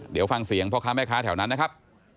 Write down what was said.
เดี๋ยวฟังเสียงพ่อค้าแม่ค้าแถวนั้นนะครับ